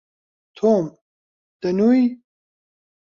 تۆم، دەنووی؟